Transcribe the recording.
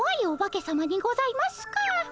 おばけさまにございますか。